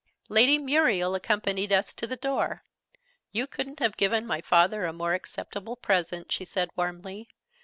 Lady Muriel accompanied us to the door. "You couldn't have given my father a more acceptable present!" she said, warmly.